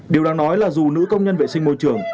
điều đáng nói là dù nữ công nhân vệ sinh môi trường